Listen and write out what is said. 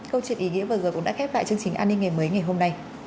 câu chuyện ý nghĩa vừa rồi cũng đã khép lại chương trình an ninh ngày mới ngày hôm nay